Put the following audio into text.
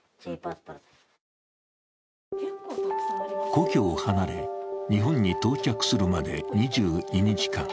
故郷を離れ日本に到着するまで２２日間。